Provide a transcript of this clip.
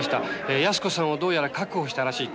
泰子さんをどうやら確保したらしいと。